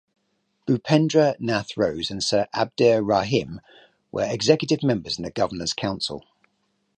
Bhupendra Nath Bose and Sir Abdur Rahim were Executive Members in the Governor's Council.